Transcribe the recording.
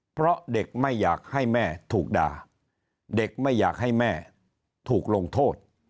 เพราะเด็กไม่อยากให้แม่ถูกด่าเด็กไม่อยากให้แม่ถูกลงโทษ